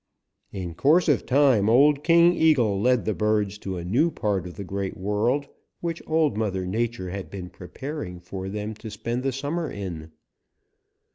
"In course of time old King Eagle led the birds to a new part of the Great World which Old Mother Nature had been preparing for them to spend the summer in.